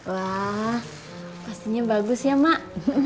wah pastinya bagus ya mak